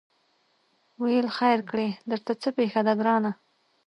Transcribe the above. ویل خیر کړې درته څه پېښه ده ګرانه